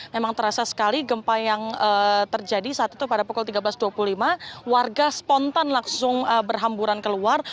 memang terasa sekali gempa yang terjadi saat itu pada pukul tiga belas dua puluh lima warga spontan langsung berhamburan keluar